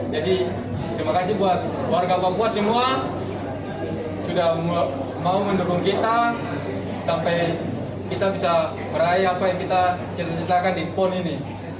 jadi terima kasih buat warga papua semua sudah mau mendukung kita sampai kita bisa meraih apa yang kita ceritakan di pon ini